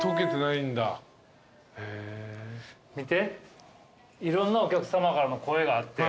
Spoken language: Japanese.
いろんなお客さまからの声があって。